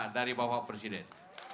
dari bapak presiden